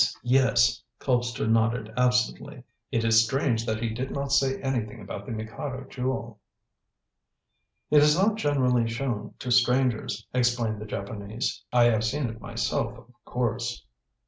yes!" Colpster nodded absently. "It is strange that he did not say anything about the Mikado Jewel." "It is not generally shown to strangers," explained the Japanese. "I have seen it myself, of course."